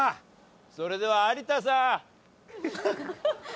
それでは有田さん。